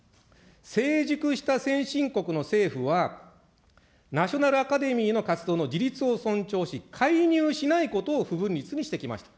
成熟した先進国の政府は、ナショナルアカデミーの自立に貢献し、介入しないことを不文律にしてきました。